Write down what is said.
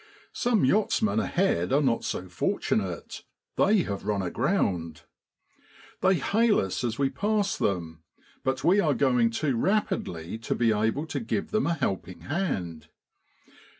Some yachtsmen ahead are not so fortunate, they have run aground. They hail us as we pass them, but we are going too rapidly to be able to give them a helping hand.